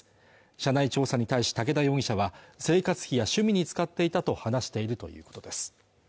社内調査に対し武田容疑者は生活費や趣味に使っていたと話しているということです